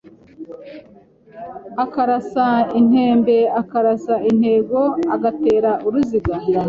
akarasa intembe, akarasa intego, agatera uruziga